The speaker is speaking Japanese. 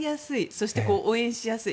そして、応援しやすい。